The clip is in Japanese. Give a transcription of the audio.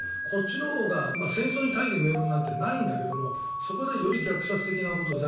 こっちのほうが戦争に大義名分なんてないんだけどもそこでより虐殺的なこと